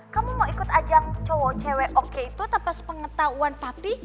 kamu mau ikut ajang cowok cewek oke itu atas pengetahuan papi